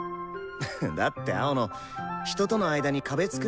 だって青野人との間に壁作るタイプじゃん？